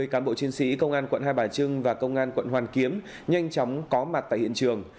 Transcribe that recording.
ba mươi cán bộ chiến sĩ công an quận hai bà trưng và công an quận hoàn kiếm nhanh chóng có mặt tại hiện trường